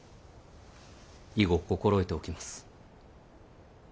以後心得ておきます。